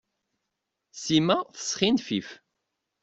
Sima tesxinfif.